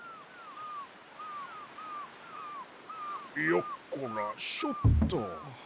よっこらしょっと。